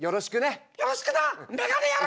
「よろしくな！眼鏡野郎！」。